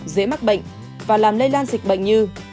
dễ mắc bệnh và làm lây lan dịch bệnh như